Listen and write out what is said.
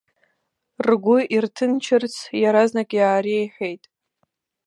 Ргәы ирҭынчырц иаразнак иаареиҳәеит.